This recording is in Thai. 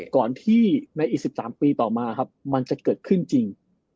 ก่อนที่ในอีก๑๓ปีต่อมาครับมันจะเกิดขึ้นจริง